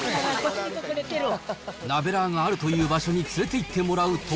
ナベラーがあるという場所に連れていってもらうと。